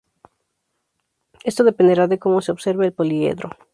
Esto dependerá de cómo se observe el poliedro.